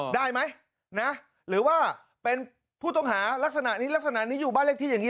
ได้ไหมนะหรือว่าเป็นผู้ต้องหารักษณะนี้ลักษณะนี้อยู่บ้านเลขที่อย่างนี้